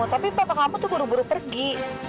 tapi bapak kamu tuh buru buru pergi